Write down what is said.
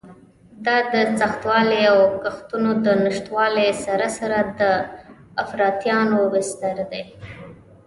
دا د سختوالي او کښتونو د نشتوالي سره سره د افراطیانو بستر دی.